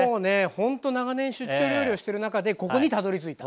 ほんと長年出張料理をしてる中でここにたどりついた。